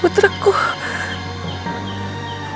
keluar gerbang istana